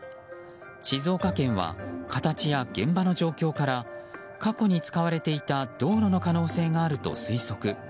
静岡県は形や現場の状況から過去に使われていた道路の可能性があると推測。